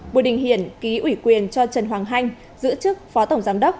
bùi đình hiển ký ủy quyền cho trần hoàng hanh giữ chức phó tổng giám đốc